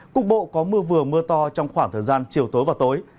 cục bộ có mưa vừa mưa to trong khoảng thời gian chiều tối và tối